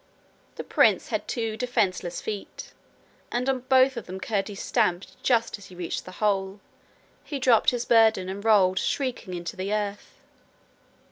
The prince had two defenceless feet, and on both of them Curdie stamped just as he reached the hole. He dropped his burden and rolled shrieking into the earth.